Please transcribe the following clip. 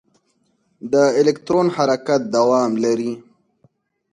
د الکترون حرکت دوام لري.